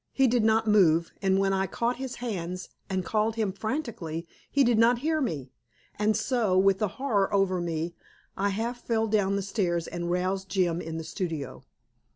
He did not move, and when I caught his hands and called him frantically, he did not hear me. And so, with the horror over me, I half fell down the stairs and roused Jim in the studio.